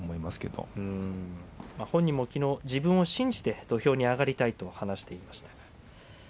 明生本人もきのうは自分も信じて土俵に上がりたいと話していました。